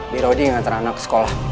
biar odin yang nganter anak ke sekolah